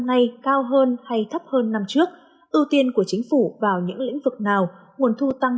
nay cao hơn hay thấp hơn năm trước ưu tiên của chính phủ vào những lĩnh vực nào nguồn thu tăng